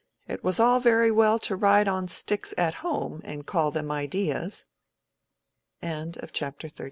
It was all very well to ride on sticks at home and call them ideas." CHAPTER XXXIX.